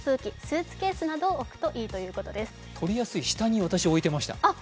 取りやすい下に私、置いてました。